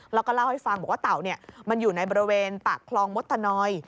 แล้วก็เล่าให้ฟังบอกว่าเต่ามันอยู่ในบริเวณปากคลองมดตะนอย